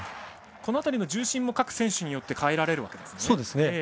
この辺りの重心も各選手によって変えられるんですね。